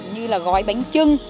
như là gói bánh chưng